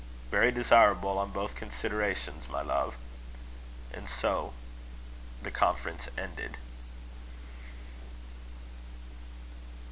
"Very desirable on both considerations, my love." And so the conference ended.